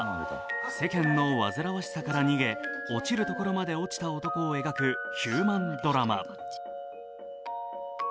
世間の煩わしさから逃げ、落ちるところまで落ちた男を描くヒューマンドラマ。